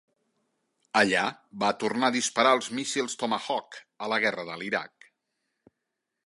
Allà, va tornar a disparar els míssils Tomahawk a la Guerra de l'Iraq.